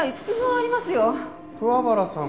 桑原さん